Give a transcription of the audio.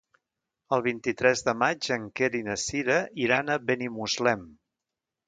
El vint-i-tres de maig en Quer i na Sira iran a Benimuslem.